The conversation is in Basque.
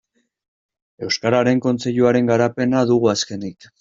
Euskararen Kontseiluaren garapena dugu azkenik.